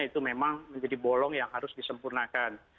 itu memang menjadi bolong yang harus disempurnakan